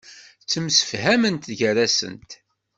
Ttemsifhament gar-asent.